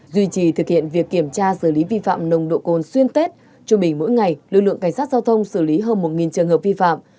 duy trì thực hiện việc kiểm tra xử lý vi phạm nồng độ cồn xuyên tết trung bình mỗi ngày lực lượng cảnh sát giao thông xử lý hơn một trường hợp vi phạm